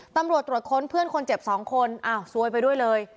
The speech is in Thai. ตำรวจตรวจค้นเพื่อนคนเจ็บ๒คนอ้าวซวยไปด้วยเลย